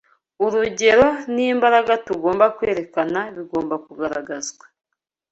Urugero n’imbaraga tugomba kwerekana bigomba kugaragazwa